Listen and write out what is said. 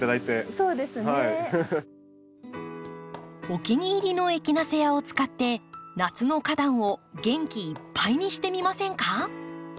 お気に入りのエキナセアを使って夏の花壇を元気いっぱいにしてみませんか？